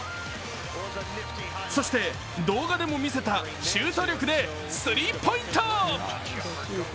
そして動画でも見せた、ショート力でスリーポイント。